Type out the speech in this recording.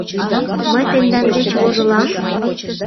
Мый тендан деч вожылам?